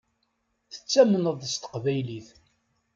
Tettamneḍ s teqbaylit.